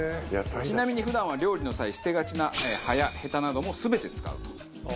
ちなみに普段は料理の際捨てがちな葉やヘタなども全て使うと。